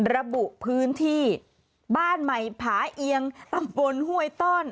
ระบุพื้นที่บ้านใหม่ผาเอียงตำบลห้วยต้อน